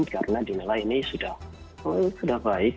karena dinilai ini sudah baik